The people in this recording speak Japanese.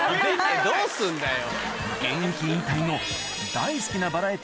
どうすんだよ。